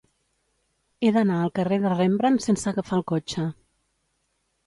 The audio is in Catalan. He d'anar al carrer de Rembrandt sense agafar el cotxe.